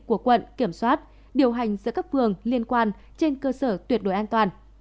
của quận kiểm soát điều hành giữa các phường liên quan trên cơ sở tuyệt đối an toàn